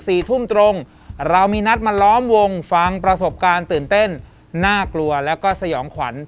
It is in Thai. สี่ทุ่มตรงเรามีนัดมาล้อมวงฟังประสบการณ์ตื่นเต้นน่ากลัวแล้วก็สยองขวัญ